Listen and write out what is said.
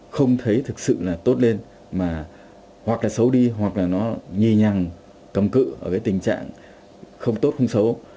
không thấy thực sự là tốt lên mà hoặc là xấu đi hoặc là nó nhì nhàng cầm cự ở cái tình trạng không tốt không xấu